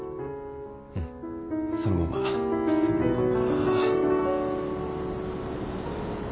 うんそのままそのまま。